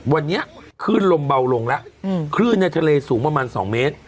วันนี้คลื่นลมเบาลงแล้วคลื่นในทะเลสูงประมาณ๒เมตร